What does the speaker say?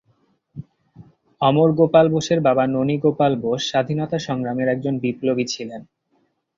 অমর গোপাল বোসের বাবা ননী গোপাল বোস স্বাধীনতা সংগ্রামের একজন বিপ্লবী ছিলেন।